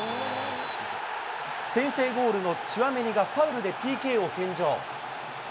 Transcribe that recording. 先制ゴールのチュアメニがファウルでＰＫを献上。